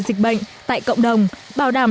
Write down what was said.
dịch bệnh tại cộng đồng bảo đảm